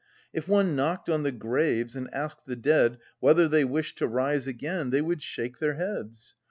If one knocked on the graves, and asked the dead whether they wished to rise again, they would shake their heads.